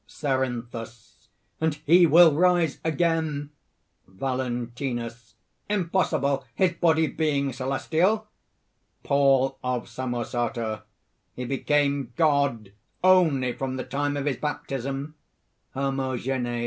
CERINTHUS. "And He will rise again!" VALENTINUS. "Impossible his body being celestial!" PAUL OF SAMOSATA. "He became God only from the time of his baptism!" HERMOGENES.